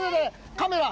カメラ。